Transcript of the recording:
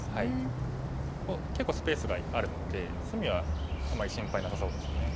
結構スペースがあるので隅はあんまり心配なさそうですよね。